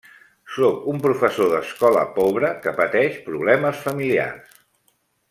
Sóc un professor d'escola pobre que pateix problemes familiars.